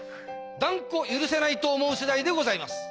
断固許せないと思う次第でございます！